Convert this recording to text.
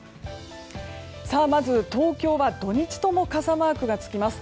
まず東京は土日とも傘マークが付きます。